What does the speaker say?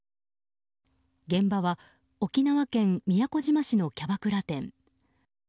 現場は沖縄県宮古島市のキャバクラ店。